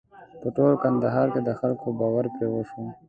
په ټول کندهار کې د خلکو باور پرې وشو.